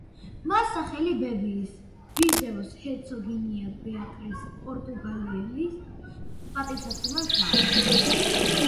მას სახელი ბებიის, ვიზეუს ჰერცოგინია ბეატრიზ პორტუგალიელის პატივსაცემად დაარქვეს.